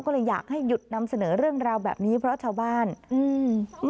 ก็เลยอยากให้หยุดนำเสนอเรื่องราวแบบนี้เพราะชาวบ้านอืม